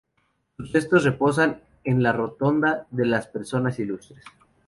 Sus restos reposan en la Rotonda de las Personas Ilustres.